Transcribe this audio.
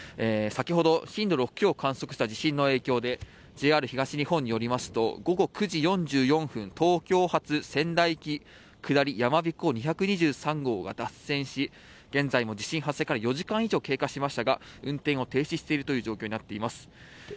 先ほど震度６強を観測した地震の影響でＪＲ東日本によると午後９時４４分、東京発仙台行き下りやまびこ２２３号が脱線し現在も地震発生から４時間以上経過しましたが運転を停止している状況です。